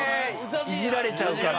イジられちゃうから？